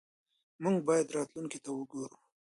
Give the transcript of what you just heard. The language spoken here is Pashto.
موږ باید راتلونکي ته وګورو.